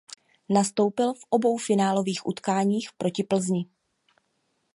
Nastoupil v obou finálových utkáních proti Plzni.